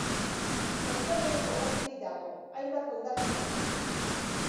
Kostaldean kokaturik dago, hainbat hondartza izanez.